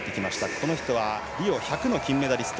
この人はリオ１００の金メダリスト。